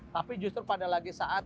tapi justru pada lagi saat